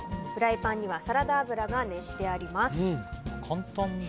フライパンにはサラダ油が熱してあります。